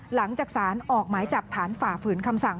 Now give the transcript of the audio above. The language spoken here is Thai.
หลังจากสารออกหมายจับฐานฝ่าฝืนคำสั่ง